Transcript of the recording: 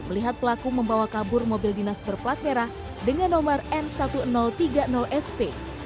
melihat pelaku membawa kabur mobil dinas berplat merah dengan nomor n seribu tiga puluh sp